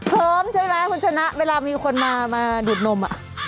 ใช่ไหมคุณชนะเวลามีคนมาดูดนม